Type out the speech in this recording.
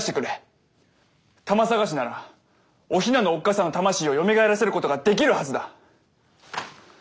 魂さがしならお雛のおっ母さんの魂をよみがえらせることができるはずだ！